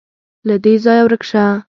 _له دې ځايه ورک شه.